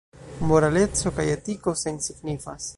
Moraleco kaj etiko sensignifas.